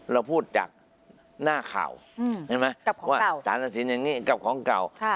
เราพูดจากหน้าข่าวใช่ไหมว่าสารตัดสินอย่างนี้กับของเก่า